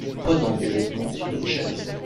Prenant des vêtements sur une chaise.